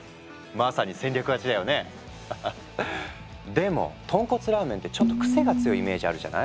でも豚骨ラーメンってちょっと癖が強いイメージあるじゃない？